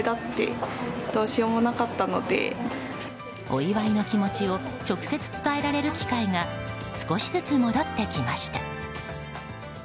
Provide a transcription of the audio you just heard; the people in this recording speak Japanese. お祝いの気持ちを直接伝えられる機会が少しずつ戻ってきました。